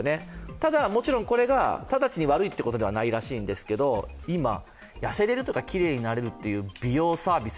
ただ、もちろんこれが直ちに悪いということではないらしいんですけど、今、痩せれるとかきれいになれるという美容サービス